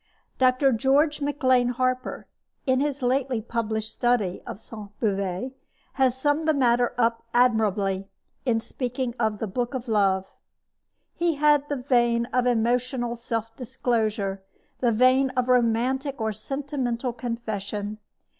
Dr. George McLean Harper, in his lately published study of Sainte Beuve, has summed the matter up admirably, in speaking of The Book of Love: He had the vein of emotional self disclosure, the vein of romantic or sentimental confession.